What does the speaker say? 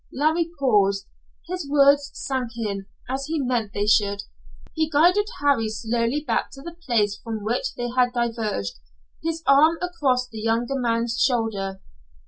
Larry paused. His words sank in, as he meant they should. He guided Harry slowly back to the place from which they had diverged, his arm across the younger man's shoulder.